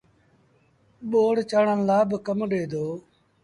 ٻوڙ چآڙڻ لآ با ڪم ڏي دو